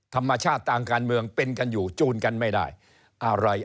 ธรรมชาติต่างการเมืองเป็นกันอยู่จูนกันไม่ได้อะไร